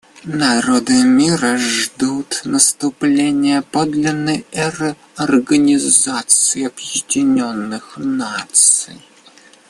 Народы мира ждут наступления подлинной эры Организации Объединенных Наций.